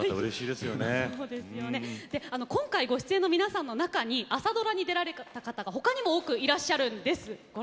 実は、今回ご出演の皆さんの中にも朝ドラに、ご出演された方他にも多くいらっしゃるんです。